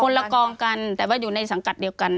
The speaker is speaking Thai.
ละกองกันแต่ว่าอยู่ในสังกัดเดียวกัน